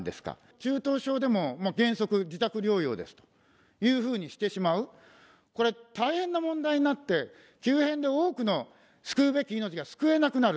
中等症でも原則自宅療養ですというふうにしてしまう、これ、大変な問題になって、急変で多くの救うべき命が救えなくなる。